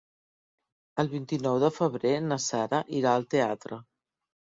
El vint-i-nou de febrer na Sara irà al teatre.